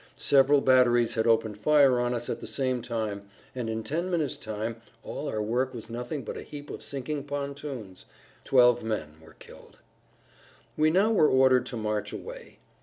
Several batteries had opened fire on us at the same time, and in ten minutes' time all our work was nothing but a heap of sinking pontoons; twelve men were killed. We now were ordered to march away.